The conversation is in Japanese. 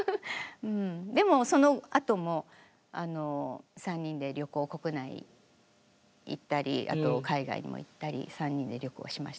でもそのあとも３人で旅行国内行ったりあと海外にも行ったり３人で旅行しましたね。